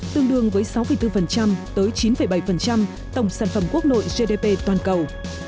tương đương với sáu bốn tới chín bảy tổng sản phẩm quốc nội gdp toàn cầu